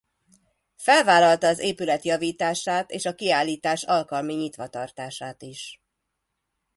Felvállalta az épület javítását és a kiállítás alkalmi nyitvatartását is.